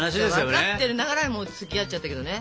分かってながらもつきあっちゃったけどね。